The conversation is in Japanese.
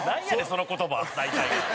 その言葉大体。